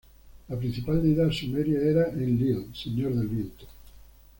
La principal deidad sumeria era Enlil, Señor del Viento.